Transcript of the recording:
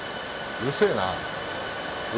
うるせえな。